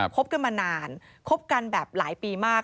คบกันมานานคบกันแบบหลายปีมาก